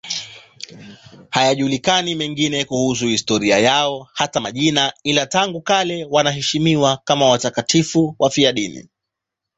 Hayajulikani mengine kuhusu historia yao, hata majina, ila tangu kale wanaheshimiwa kama watakatifu wafiadini.